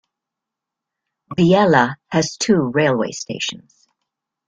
Biella has two railway stations.